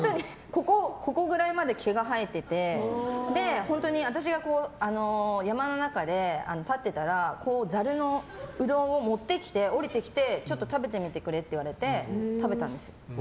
胸ぐらいまで毛が生えてて私が山の中で立ってたらざるのうどんを持ってきて降りてきてちょっと食べてみてくれって言われて食べたんですよ。